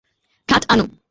খাট আনো!